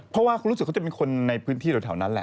เพราะว่าเขารู้สึกเขาจะเป็นคนในพื้นที่แถวนั้นแหละ